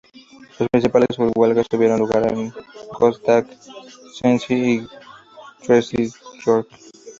Los principales huelgas tuvieron lugar en Gdańsk, Szczecin y Jastrzębie-Zdrój.